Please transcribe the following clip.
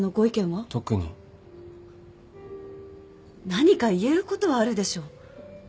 何か言えることはあるでしょう。